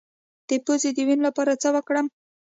د پوزې د وینې لپاره باید څه وکړم؟